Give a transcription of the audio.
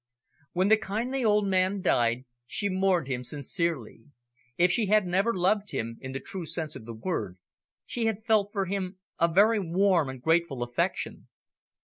When the kindly old man died, she mourned him sincerely. If she had never loved him, in the true sense of the word, she had felt for him a very warm and grateful affection.